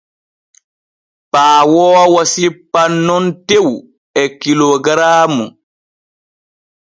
Paawoowo sippan nun tew e kilogaraamu.